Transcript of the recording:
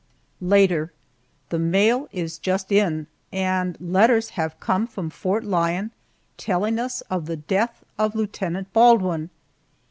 Later: The mail is just in, and letters have come from Fort Lyon telling us of the death of Lieutenant Baldwin!